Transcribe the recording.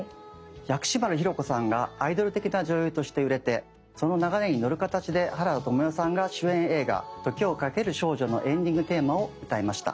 薬師丸ひろ子さんがアイドル的な女優として売れてその流れに乗る形で原田知世さんが主演映画「時をかける少女」のエンディングテーマを歌いました。